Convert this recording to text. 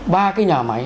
ba cái nhà máy